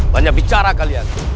banyak bicara kalian